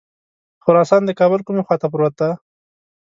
خراسان د کابل کومې خواته پروت دی.